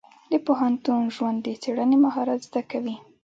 د پوهنتون ژوند د څېړنې مهارت زده کوي.